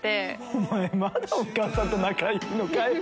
お前まだお母さんと仲いいのかよ！